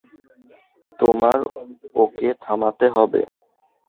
তোমার ওকে থামাতে হবে।